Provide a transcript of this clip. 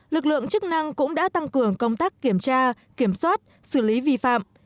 lực lượng chức năng cũng đã tăng cường công tác kiểm tra kiểm soát xử lý vi phạm